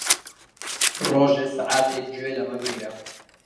ڕۆژێ سەعاتێک گوێ لەمە بگرە.